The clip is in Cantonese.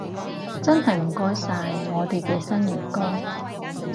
真係唔該晒，我哋嘅新員工